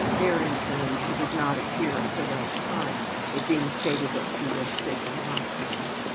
There, in turn, she did not appear at the right time, it being stated that she was sick in a hospital.